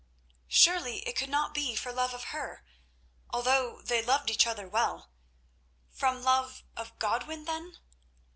Surely it could not be for love of her, although they loved each other well. From love of Godwin then?